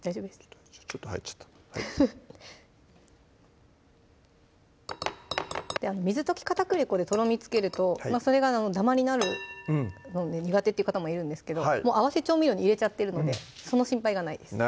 ちょっと入っちゃった水溶き片栗粉でとろみつけるとそれがダマになるので苦手っていう方もいるんですけど合わせ調味料に入れてるのでその心配がないです